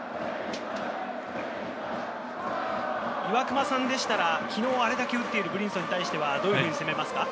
岩隈さんでしたら昨日あれだけ打っているブリンソンに対してはどのように攻めますか？